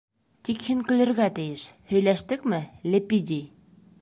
Тик һин көлөргә тейеш, һөйләштекме, Лепидий?